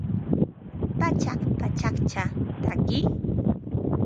Pachak pachakcha tatki